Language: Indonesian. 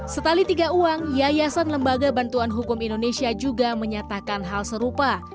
setali tiga uang yayasan lembaga bantuan hukum indonesia juga menyatakan hal serupa